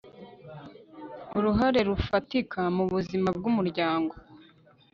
uruhare rufatika mu buzima bw umuryango